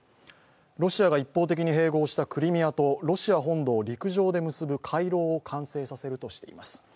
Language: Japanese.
ロシアが一方的に併合したクリミアとロシア本土を陸上で結ぶ回廊を完成させるとしています。